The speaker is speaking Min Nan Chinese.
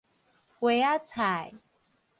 萵仔菜